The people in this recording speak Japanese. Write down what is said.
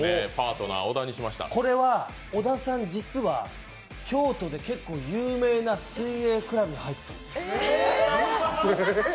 これは小田さん実は京都で結構有名な水泳クラブに入ってたんですよ。